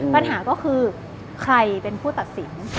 ปัญหาก็คือใครเป็นผู้ตัดสิน